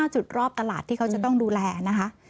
จุดรอบตลาดที่เขาจะต้องดูแลนะคะ